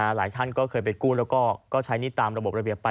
หลายท่านก็เคยไปกู้แล้วก็ใช้หนี้ตามระบบระเบียบไป